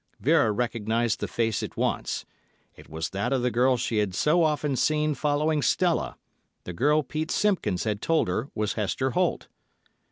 Vera recognised the face at once. It was that of the girl she had so often seen following Stella, the girl Pete Simpkins had told her was Hester Holt.